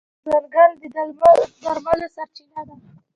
ځنګل د درملو سرچینه ده.